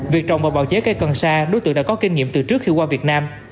việc trồng và bào chế cây cần sa đối tượng đã có kinh nghiệm từ trước khi qua việt nam